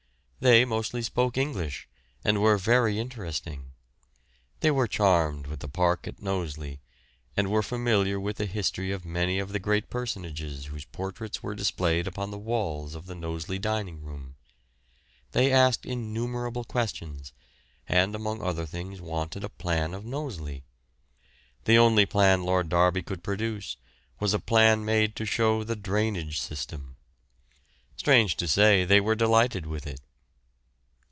They mostly spoke English, and were very interesting. They were charmed with the park at Knowsley, and were familiar with the history of many of the great personages whose portraits were displayed upon the walls of the Knowsley dining room. They asked innumerable questions, and among other things wanted a plan of Knowsley. The only plan Lord Derby could produce was a plan made to show the drainage system. Strange to say, they were delighted with it.